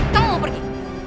kamu mau pergi